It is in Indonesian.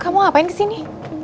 kamu ngapain kesini